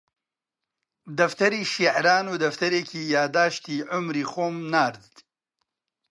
دەفتەری شیعران و دەفتەرێکی یادداشتی عومری خۆم نارد